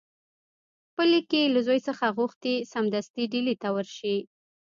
په لیک کې له زوی څخه غوښتي سمدستي ډهلي ته ورشي.